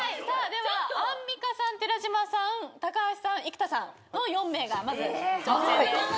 ではアンミカさん寺島さん橋さん生田さんの４名がまず挑戦です。